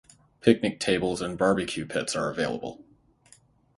Picnic tables and barbecue pits are available.